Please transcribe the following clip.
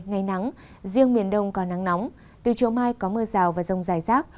ngày nắng riêng miền đông có nắng nóng từ chiều mai có mưa rào và rông dài rác